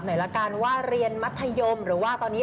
อืมรู้ไหมว่าดังมากเลยตอนนี้